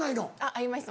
会いました